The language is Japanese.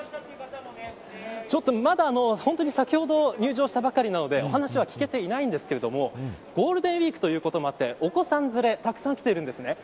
まだ本当に先ほど入場したばかりなのでお話は聞けていないんですがゴールデンウイークということもあって、お子さん連れがたくさん来ているんです。